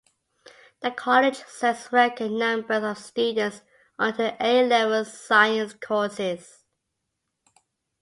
The College sends record numbers of students onto A Level Science courses.